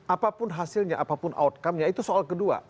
apapun hasilnya apapun outcomenya itu soal kedua